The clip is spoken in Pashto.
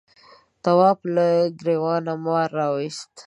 تواب له گرېوانه مار راوایست.